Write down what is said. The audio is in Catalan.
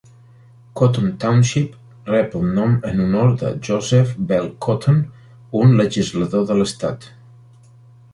Cotton Township rep el nom en honor a Joseph Bell Cotton, un legislador de l'estat.